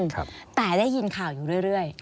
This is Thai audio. แต่ได้ยินข่าวอยู่เรื่อย